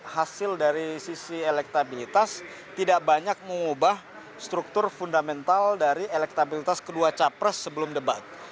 hasil dari sisi elektabilitas tidak banyak mengubah struktur fundamental dari elektabilitas kedua capres sebelum debat